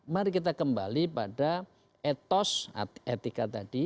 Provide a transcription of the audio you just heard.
mari kita kembali pada etos etika tadi